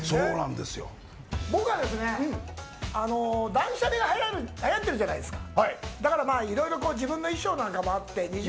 断捨離がはやってるじゃないですか。